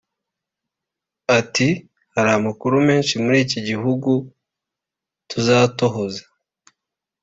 Ati “Hari amakuru menshi muri iki gihugu tuzatohoza